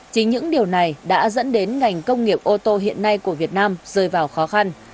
chính những điều này đã dẫn đến ngành công nghiệp ô tô hiện nay của việt nam rơi vào khó khăn